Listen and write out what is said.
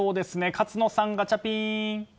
勝野さん、ガチャピン！